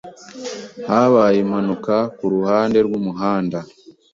Habaye impanuka kuruhande rwumuhanda.